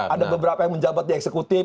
ada beberapa yang menjabat di eksekutif